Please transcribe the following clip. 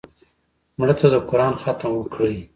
مړه ته د قرآن ختم وکړې